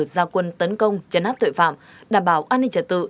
gia quân tấn công chấn áp tội phạm đảm bảo an ninh trật tự